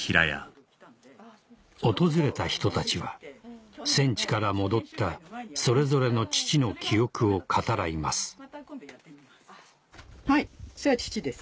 訪れた人たちは戦地から戻ったそれぞれの父の記憶を語らいます何か。